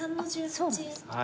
そうなんですね。